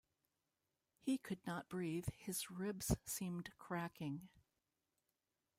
He could not breathe, his ribs seemed cracking.